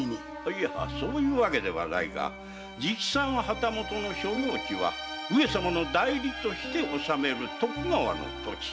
いやそういうわけではないが直参旗本の所領地は上様の代理として治める徳川の土地。